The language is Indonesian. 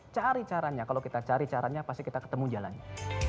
cari caranya kalau kita cari caranya pasti kita ketemu jalannya